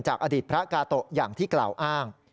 อดีตพระกาโตะอย่างที่กล่าวอ้าง